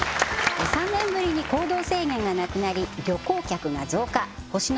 ３年ぶりに行動制限がなくなり旅行客が増加星野